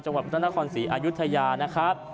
จังหวัดปริศนฯคอนศรีอายุธยานะครับ